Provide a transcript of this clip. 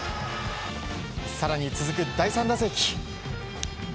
更に続く第３打席。